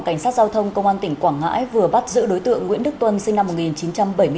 cảnh sát giao thông công an tỉnh quảng ngãi vừa bắt giữ đối tượng nguyễn đức tuân sinh năm một nghìn chín trăm bảy mươi bốn